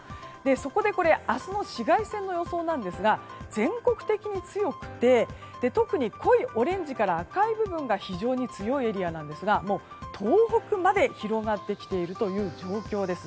そこで明日の紫外線の予想ですが全国的に強くて特に濃いオレンジから赤い部分が非常に強いエリアなんですが東北まで広がってきているという状況です。